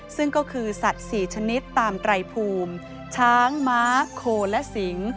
ซึ่งก็คือสัตว์๔ชนิดตามไตรภูมิช้างม้าโคและสิง